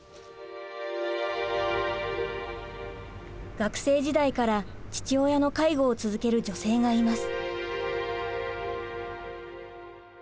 学生時代から父親の介護を続ける女性がいます。